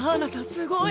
すごい！